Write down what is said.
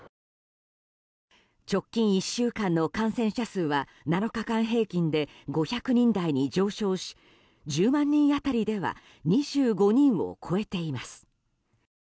直近１週間の感染者数は７日間平均で５００人台に上昇し１０万人当たりでは２５人を超えています。